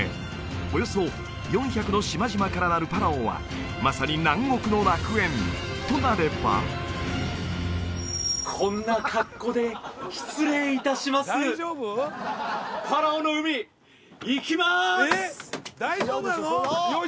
およそ４００の島々からなるパラオはまさに南国の楽園となればこんな格好で失礼いたしますパラオの海行きます！